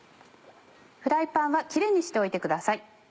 フライパンはきれいにしておいてください。